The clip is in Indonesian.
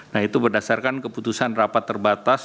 nah itu berdasarkan keputusan rapat terbatas